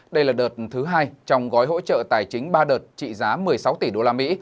đây là đợt thứ hai trong gói hỗ trợ tài chính ba đợt trị giá một mươi sáu tỷ đô la mỹ